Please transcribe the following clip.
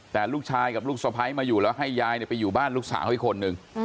แต่ลูกชายกับลูกสะพ้ายมาอยู่แล้วให้ยายไปอยู่บ้านลูกสาวอีกคนนึง